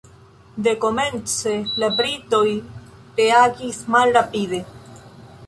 Dekomence la britoj reagis malrapide.